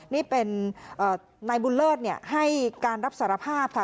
นี่เป็นเอ่อนายบุญเลิศเนี่ยให้การรับสารภาพค่ะ